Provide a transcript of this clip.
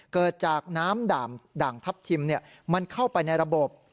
เกิดจากน้ำด่างทัพทิมมันเข้าไปในระบบ